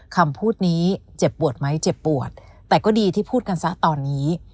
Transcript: คำพูดนี้เจ็บปวดไหมเจ็บปวดแต่ก็ดีที่พูดกันซะตอนนี้